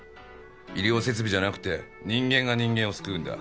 医療設備じゃなくて人間が人間を救うんだ。